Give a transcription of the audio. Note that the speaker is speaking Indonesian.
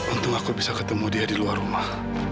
untuk aku bisa ketemu dia di luar rumah